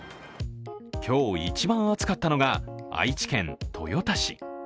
今日一番暑かったのが、愛知県豊田市。